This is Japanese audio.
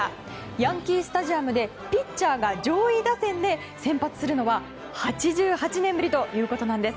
ヤンキー・スタジアムでピッチャーが上位打線で先発するのは８８年ぶりということなんです。